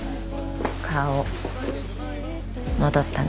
顔戻ったね。